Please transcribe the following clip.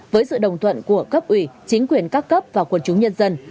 với sự đồng thuận của cấp ủy chính quyền các cấp và quân chúng nhân dân